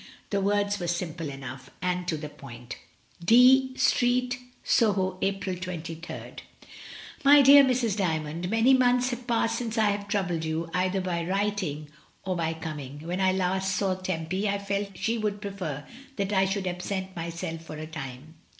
The words were simple enough, and to the point: — D Street, Soho, April 23rd. "My dear Mrs. Dymond, — Many months have passed since I have troubled you, either by writing Susanna's correspondence. hi or by coming. When I last saw Tempy, I felt she would prefer that I should absent myself for a time.